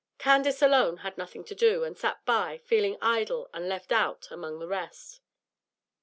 Candace alone had nothing to do, and sat by, feeling idle and left out among the rest.